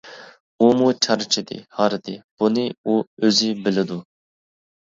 ئۇمۇ چارچىدى، ھاردى بۇنى ئۇ ئۆزى بىلىدۇ.